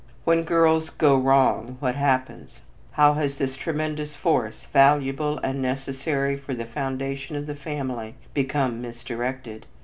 When girls "go wrong" what happens? How has this tremendous force, valuable and necessary for the foundation of the family, become misdirected?